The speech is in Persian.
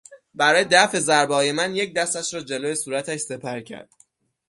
برای دفع ضربههای من یک دستش را جلو صورتش سپر کرد.